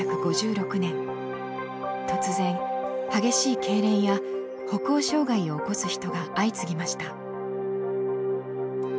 突然激しいけいれんや歩行障害を起こす人が相次ぎました。